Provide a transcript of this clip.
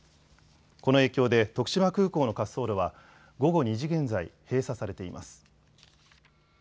この影響で徳島空港の滑走路は午後２時現在、閉鎖されています。